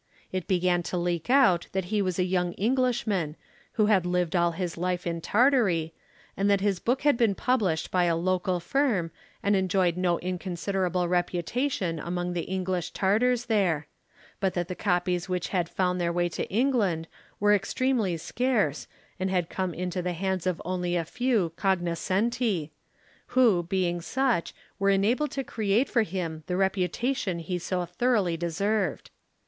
It began to leak out that he was a young Englishman who had lived all his life in Tartary, and that his book had been published by a local firm and enjoyed no inconsiderable reputation among the English Tartars there, but that the copies which had found their way to England were extremely scarce and had come into the hands of only a few cognoscenti, who being such were enabled to create for him the reputation he so thoroughly deserved.